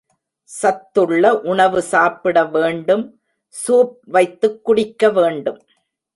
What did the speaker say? சத்துள்ள உணவு சாப்பிட வேண்டும் சூப் வைத்துக் குடிக்க வேண்டும்.